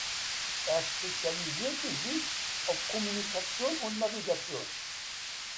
Er spezialisierte sich auf Kommunikation und Navigation.